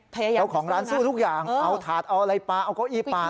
เจ้าของร้านสู้ทุกอย่างเอาถาดเอาอะไรปลาเอาเก้าอี้ปลา